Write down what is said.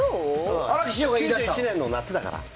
９１年の夏だから。